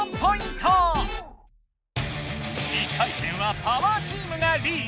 １回戦はパワーチームがリード。